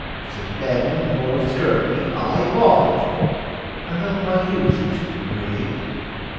Was it famine or scurvy I fought it; I hurled my youth into a grave.